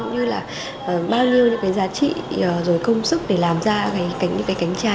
như là bao nhiêu những cái giá trị rồi công sức để làm ra những cái cánh trà